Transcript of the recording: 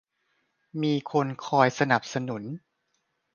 มีคนคอยสนับสนุน